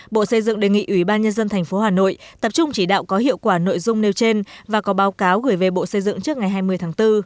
bộ xây dựng đề nghị ủy ban nhân dân tp hà nội tập trung chỉ đạo có hiệu quả nội dung nêu trên và có báo cáo gửi về bộ xây dựng trước ngày hai mươi tháng bốn